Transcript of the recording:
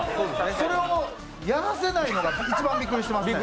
それをやらせないのが一番びっくりしてますね。